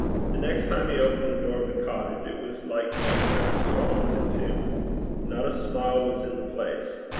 The next time he opened the door of the cottage it was like the entrance to a haunted tomb. Not a smile was in the place.